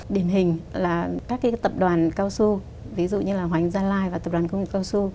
điểm hình là các tập đoàn cao su ví dụ như hoành gia lai và tập đoàn công nghiệp cao su